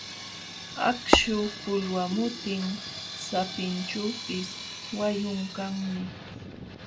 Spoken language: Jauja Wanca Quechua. Akśhu pulwamutin sapinćhuupis wayun kanmi.